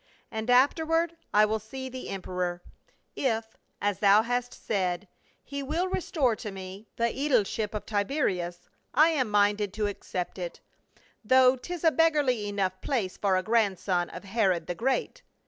"And afterward I will see the emperor. If, as thou hast said, he will restore to me 68 PA UL. the aedileship of Tiberias, I am minded to accept it, though 'tis a beggarly enough place for a grandson of Herod the Great."